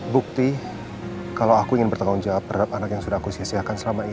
bukti kalau aku ingin bertanggung jawab terhadap anak yang sudah aku siakan selama ini